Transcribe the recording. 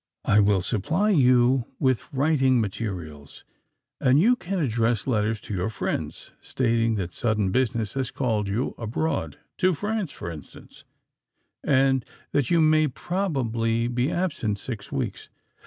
"I will supply you with writing materials, and you can address letters to your friends, stating that sudden business has called you abroad—to France, for instance; and that you may probably be absent six weeks.